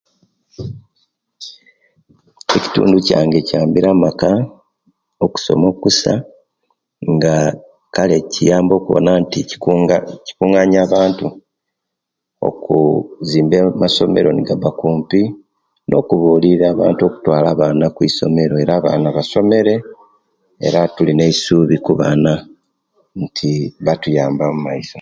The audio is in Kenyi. Ekitundu kyange kyambire amaka okusoma okusa nga kale kiyamba okuwona nti kikunga kikunganya abantu oku zimba amasomero negabba kumpi nokubulira abantu okutwala abana kwisomero era abana basomere era tulina esubi ku bana muki batuyamba omaiso